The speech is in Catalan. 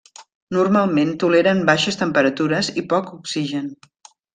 Normalment toleren baixes temperatures i poc oxigen.